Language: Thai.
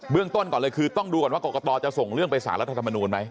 เรื่องต้นก่อนเลยคือต้องดูก่อนว่ากรกตจะส่งเรื่องไปสารรัฐธรรมนูลไหม